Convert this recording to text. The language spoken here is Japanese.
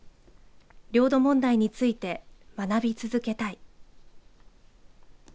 領土問題について学び続けたい。